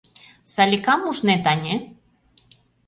Саликам ужнет, ане?